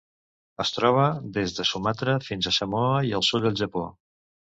Es troba des de Sumatra fins a Samoa i el sud del Japó.